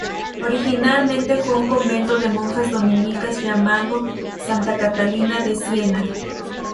Originalmente fue un convento de monjas dominicas llamado Santa Catalina de Siena.